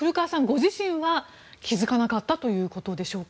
ご自身は気づかなかったということでしょうか。